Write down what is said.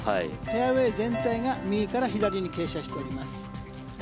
フェアウェー全体が右から左に傾斜しております。